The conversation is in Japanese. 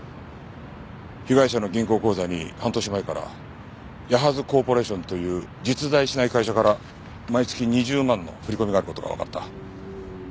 被害者の銀行口座に半年前からヤハズコーポレーションという実在しない会社から毎月２０万の振り込みがある事がわかった。